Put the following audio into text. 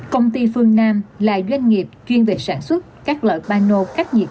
công ty phương nam là doanh nghiệp chuyên về sản xuất các loại bano khách nhiệm